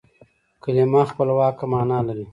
کلیمه خپلواکه مانا لري.